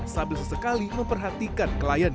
sambil sesekali memperhatikan